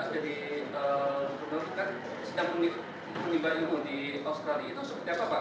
sedang menimba ilmu di australia itu seperti apa pak